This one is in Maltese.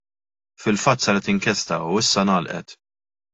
Fil-fatt saret inkjesta u issa ngħalqet.